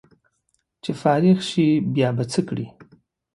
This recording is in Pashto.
چې فارغ شې بیا به څه کړې